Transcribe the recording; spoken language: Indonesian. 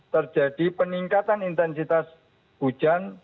terjadi peningkatan intensitas hujan